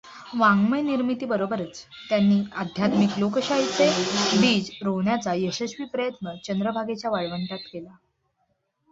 वाङ्मय निर्मितीबरोबरच त्यांनी आध्यात्मिक लोकशाहीचे बीज रोवण्याचा यशस्वी प्रयत् न चंद्रभागेच्या वाळवंटात केला.